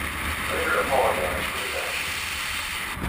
He later apologised for his actions.